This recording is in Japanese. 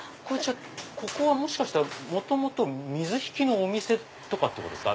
ここはもしかしたら元々水引のお店ってことですか？